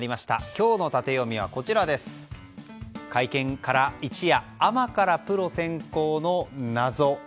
今日のタテヨミは会見から一夜アマからプロ転向のナゾ。